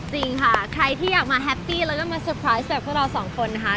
จริงค่ะใครที่อยากมาแฮปปี้แล้วก็มาเตอร์ไพรส์เสิร์ฟพวกเราสองคนนะคะ